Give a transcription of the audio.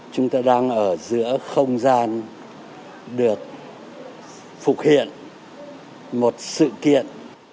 chúng tôi đang ở giữa không gian được phục hiện một sự kiện